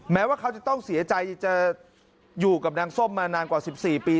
แม้ว่าเขาจะต้องเสียใจจะอยู่กับนางส้มมานานกว่า๑๔ปี